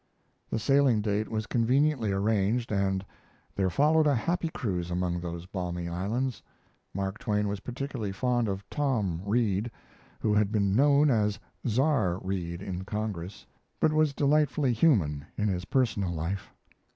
The sailing date was conveniently arranged and there followed a happy cruise among those balmy islands. Mark Twain was particularly fond of "Tom" Reed, who had been known as "Czar" Reed in Congress, but was delightfully human in his personal life.